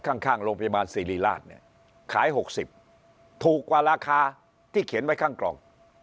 ข้างโรงพยาบาลศิริราชเนี่ยขาย๖๐ถูกกว่าราคาที่เขียนไว้ข้างกล่อง